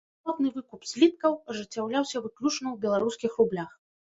Зваротны выкуп зліткаў ажыццяўляўся выключна ў беларускіх рублях.